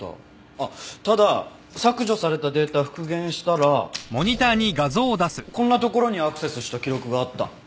あっただ削除されたデータ復元したらこんなところにアクセスした記録があった。